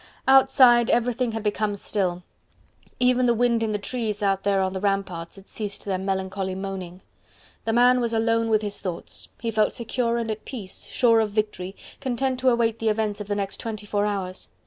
Outside everything had become still. Even the wind in the trees out there on the ramparts had ceased their melancholy moaning. The man was alone with his thoughts. He felt secure and at peace, sure of victory, content to await the events of the next twenty four hours.